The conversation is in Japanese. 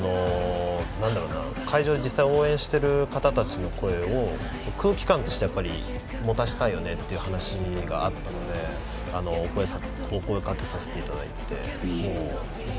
会場で実際に応援している方たちの声を空気感として持たせたいよねという話があったのでお声をかけさせていただいて。